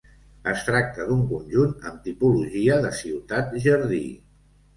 Es tracta d'un conjunt amb tipologia de ciutat jardí.